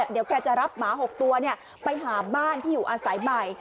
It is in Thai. เดี๋ยวแกจะรับหมา๖ตัวไปหาบ้านที่อยู่อาศัยใหม่